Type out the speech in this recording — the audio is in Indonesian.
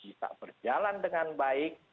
bisa berjalan dengan baik